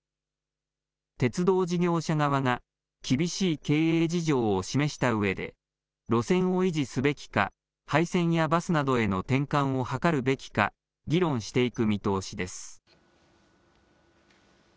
鉄道事業者側が、厳しい経営事情を示したうえで、路線を維持すべきか、廃線やバスなどへの転換を図るべきか、議論していく見通しです。